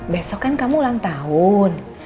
besok kan kamu ulang tahun